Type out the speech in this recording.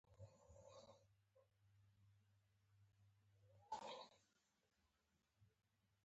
توپک د مینې رنګ ورکوي.